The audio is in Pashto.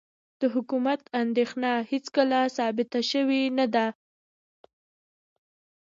د حکومت اندېښنه هېڅکله ثابته شوې نه ده.